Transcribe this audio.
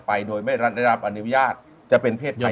ไปโดยได้รับอำนวยาบจะเป็นเพศภัย